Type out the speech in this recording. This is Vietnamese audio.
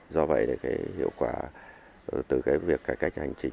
do vậy thì cái hiệu quả từ cái việc cải cách hành chính